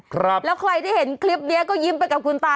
ครับแล้วใครที่เห็นคลิปนี้ก็ยิ้มไปกับคุณตา